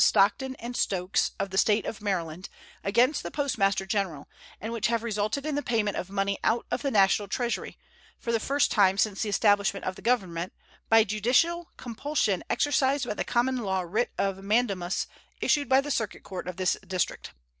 Stockton & Stokes, of the State of Maryland, against the Postmaster General, and which have resulted in the payment of money out of the National Treasury, for the first time since the establishment of the Government, by judicial compulsion exercised by the common law writ of mandamus issued by the circuit court of this District.